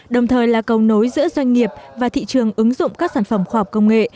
đồng thời là cầu nối giữa doanh nghiệp và thị trường ứng dụng các sản phẩm khoa học công nghệ